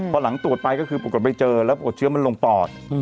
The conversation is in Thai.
ที่หลังตรวจไปก็คือปกติไม่เจอแล้วโปรดเชื้อมันลงปลอด